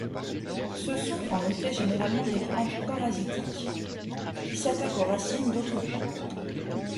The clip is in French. Ce sont, en effet, généralement des plantes parasitiques qui s'attaquent aux racines d'autres plantes.